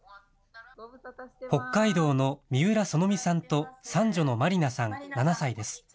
北海道の三浦そのみさんと、三女のまりなさん７歳です。